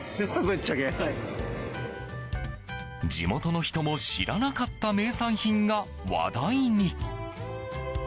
地元の人も知らなかった名産品が話題に。